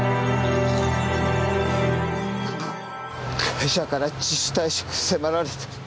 会社から自主退職迫られてる。